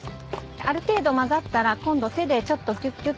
ある程度混ざったら今度手でちょっときゅっきゅっと。